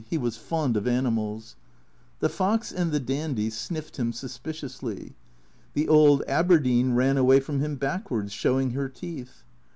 (He was fond of animals.) The fox and the dandy sniffed him sus piciously. The old Aberdeen ran away from him backwards, showing her teeth.